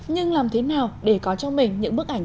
nhưng làm thế nào để có cho mình những bức ảnh